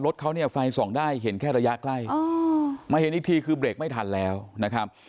รถเขาเนี่ยไฟส่องได้เห็นแค่ระยะใกล้มาเห็นอีกทีคือเบรกไม่ทันแล้วนะครับ